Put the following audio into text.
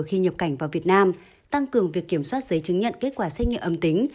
khi nhập cảnh vào việt nam tăng cường việc kiểm soát giấy chứng nhận kết quả xét nghiệm âm tính